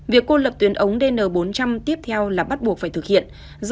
việc cô lập tuyến ống dn bốn trăm linh tiếp theo là bắt buộc phải thực hiện